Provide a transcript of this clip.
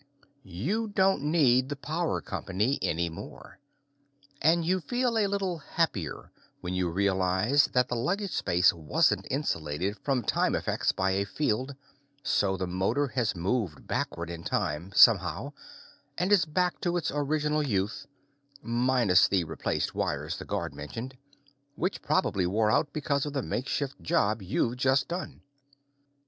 You don't need the power company any more. And you feel a little happier when you realize that the luggage space wasn't insulated from time effects by a field, so the motor has moved backward in time, somehow, and is back to its original youth minus the replaced wires the guard mentioned which probably wore out because of the makeshift job you've just done.